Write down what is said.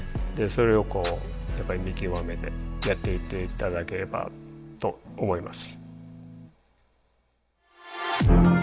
それをこう見極めてやっていって頂ければと思います。